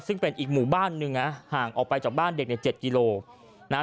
ซึ่งเป็นอีกหมู่บ้านหนึ่งนะห่างออกไปจากบ้านเด็กใน๗กิโลนะฮะ